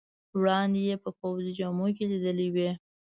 وړاندې یې په پوځي جامو کې لیدلی وې.